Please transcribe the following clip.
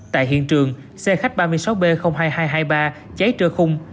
tại hiện trường xe khách ba mươi sáu b hai nghìn hai trăm hai mươi ba cháy trơ khung